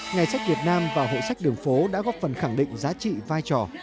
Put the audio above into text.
ngày sách việt nam và hội sách đường phố đã góp phần khẳng định giá trị vai trò